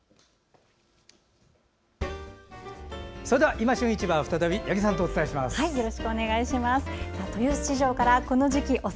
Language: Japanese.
「いま旬市場」を再び八木さんとお伝えします。